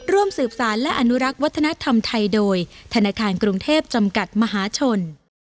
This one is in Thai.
ร่วมสืบสารและอนุรักษ์วัฒนธรรมไทยโดยธนาคารกรุงเทพจำกัดมหาชน